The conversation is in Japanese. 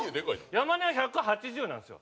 山根は１８０なんですよ。